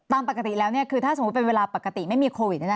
ตามปกติแล้วคือถ้าสมมุติเป็นเวลาปกติไม่มีโควิด